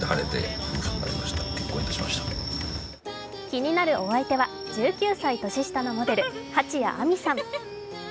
気になるお相手は１９歳年下のモデル、蜂谷晏海さん。